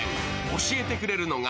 教えてくれるのが。